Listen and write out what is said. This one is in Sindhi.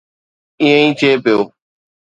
ائين ئي ٿئي پيو.